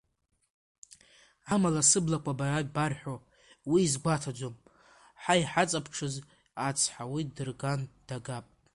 Амала сыблақәа ба ибарҳәо уи изгәаҭаӡом, ҳа иҳаҵаԥҽыз ацҳа уи дырган дагап.